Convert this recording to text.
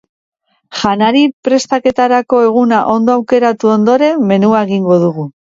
Janari prestaketarako eguna ondo aukeratu ondoren, menua egingo dugu.